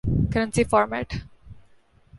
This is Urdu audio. currency format